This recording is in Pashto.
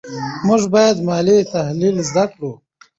موږ باید مالي تحلیل زده کړو.